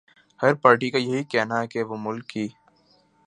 ہر party کایہی کہنا ہے کہ وہ ملک کی